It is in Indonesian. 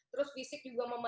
terus fisiknya apa